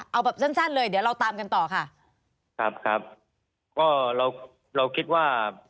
เอาแบบสั้นสั้นเลยเดี๋ยวเราตามกันต่อค่ะครับครับก็เราเราคิดว่า